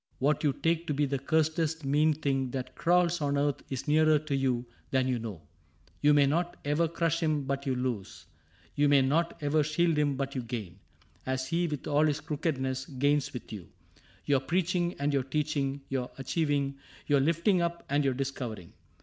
What you take To be the cursedest mean thing that crawls On earth is nearer to you than you know : You may not ever crush him but you lose. You may not ever shield him but you gain — As he, with all his crookedness, gains with you. Your preaching and your teaching, your achiev . ing. Your lifting up and your discovering.